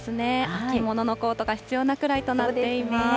秋物のコートが必要なくらいとなっています。